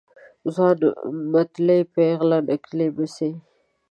ځوان متلي ، پيغله نکلي مه سي.